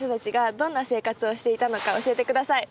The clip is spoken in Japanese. どんな生活をしていたのか教えてください。